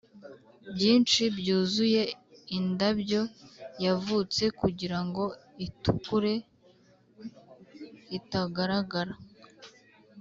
byinshi byuzuye indabyo yavutse kugirango itukure itagaragara,